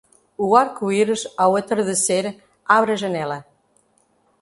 O arco-íris ao entardecer abre a janela.